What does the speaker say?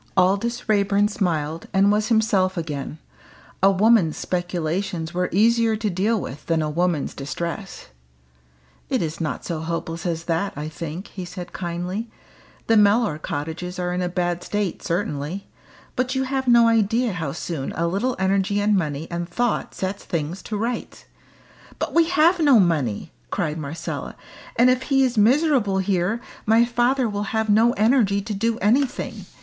Aldous Raeburn smiled, and was himself again. A woman's speculations were easier to deal with than a woman's distress. "It is not so hopeless as that, I think," he said kindly. "The Mellor cottages are in a bad state certainly. But you have no idea how soon a little energy and money and thought sets things to rights." "But we have no money!" cried Marcella. "And if he is miserable here, my father will have no energy to do anything.